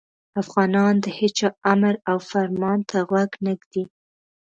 افغانان د هیچا امر او فرمان ته غوږ نه ږدي.